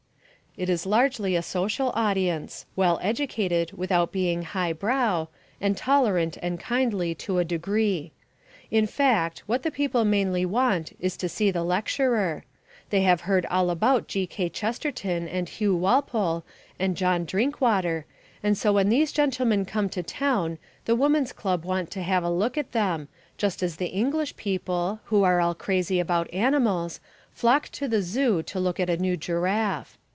It is largely a social audience, well educated without being "highbrow," and tolerant and kindly to a degree. In fact, what the people mainly want is to see the lecturer. They have heard all about G. K. Chesterton and Hugh Walpole and John Drinkwater, and so when these gentlemen come to town the woman's club want to have a look at them, just as the English people, who are all crazy about animals, flock to the zoo to look at a new giraffe.